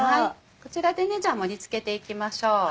こちらでね盛り付けていきましょう。